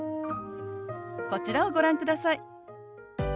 こちらをご覧ください。